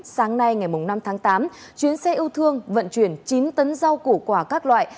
sáng nay ngày năm tháng tám chuyến xe ưu thương vận chuyển chín tấn rau củ quả các loại